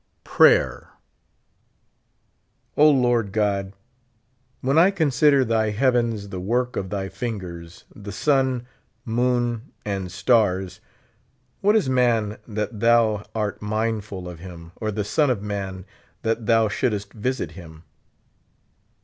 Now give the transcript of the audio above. Prayer. O, Lord God, when I consider thy heavens the work of thy fingers, the sun, moon, and stars, what is man that thou art mindful of him, or the son of man that thou shouldst visit him